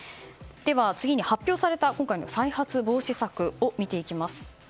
次に発表された再発防止策を見ていきます。